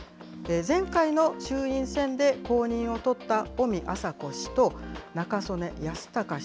前回の衆院選で公認を取った尾身朝子氏と中曽根康隆氏。